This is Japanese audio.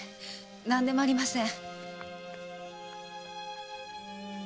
何でもありません。